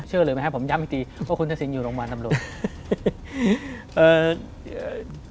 เชื่อหรือไม่ให้ผมย้ำอีกทีว่าคุณศักดิ์สิงห์อยู่โรงพยาบาลตำรวจ